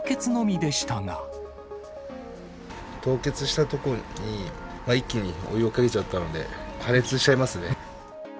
凍結したところに、一気にお湯をかけちゃったので、破裂しちゃいますね。